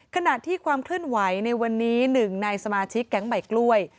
ขณะที่ความเคลื่อนไหวในวันนี้หนึ่งในสมาชิกแก๊งใหม่กล้วย